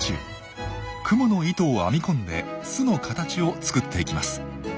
クモの糸を編み込んで巣の形を作っていきます。